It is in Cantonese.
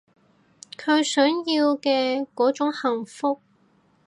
佢想要嘅嗰種幸福